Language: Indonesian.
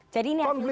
jadi ini hasilnya